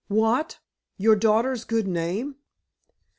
"What? Your daughter's good name?"